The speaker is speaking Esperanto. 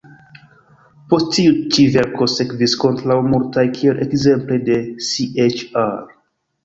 Post tiu ĉi verko sekvis ankoraŭ multaj, kiel ekzemple de Chr.